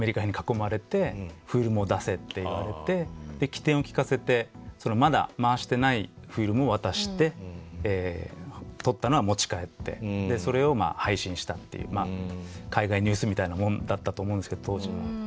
機転を利かせてまだ回してないフィルムを渡して撮ったのは持ち帰ってそれを配信したっていう海外ニュースみたいなもんだったと思うんですけど当時は。